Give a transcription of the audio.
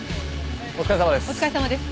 お疲れさまです。